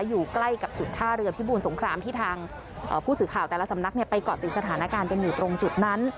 อยู่ใกล้กับจุดท่าเรือพิบูรสงครามที่ทางผู้สื่อข่าวแต่ละสำนักไปเกาะติดสถานการณ์กันอยู่ตรงจุดนั้น